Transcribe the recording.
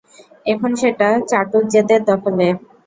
এখন সেটা চাটুজ্যেদের দখলে।